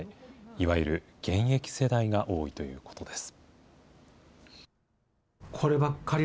いわゆる現役世代が多いということです。